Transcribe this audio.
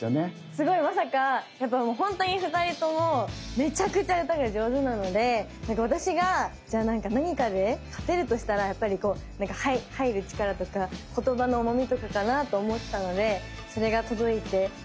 すごいまさか本当に２人ともめちゃくちゃ歌が上手なので私がじゃあ何かで勝てるとしたら入る力とか言葉の重みとかかなと思ってたのでそれが届いてよかったなと思います。